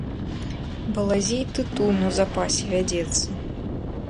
Балазе й тытун у запасе вядзецца.